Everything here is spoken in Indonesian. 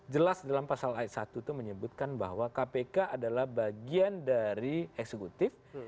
jelas dalam pasal ayat satu itu menyebutkan bahwa kpk adalah bagian dari eksekutif